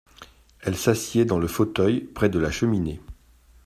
Elle s’assied dans le fauteuil, près de la cheminée.